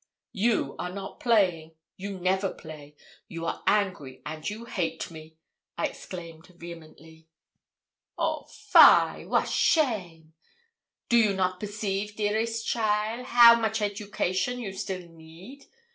'You are not playing you never play you are angry, and you hate me,' I exclaimed, vehemently. 'Oh, fie! wat shame! Do you not perceive, dearest cheaile, how much education you still need?